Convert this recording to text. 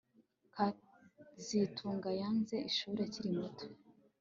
kazitunga yanze ishuri akiri muto